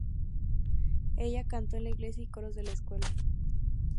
Ella cantó en la iglesia y coros de la escuela.